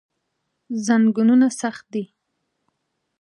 زنګونونه سخت دي.